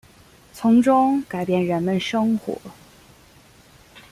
从中改变人们生活